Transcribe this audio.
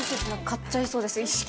買っちゃいそうです、一式。